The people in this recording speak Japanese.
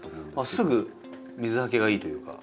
すぐ水はけがいいというか。